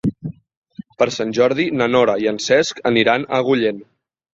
Per Sant Jordi na Nora i en Cesc aniran a Agullent.